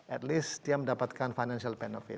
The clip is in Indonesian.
at least dia mendapatkan financial benefit